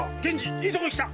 いいとこへ来た！